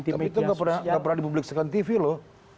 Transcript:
tapi itu tidak pernah di publikkan di tv loh